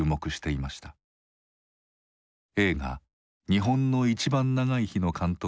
映画「日本のいちばん長い日」の監督